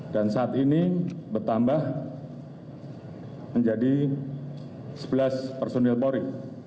dan saat ini bertambah menjadi sebelas personil polri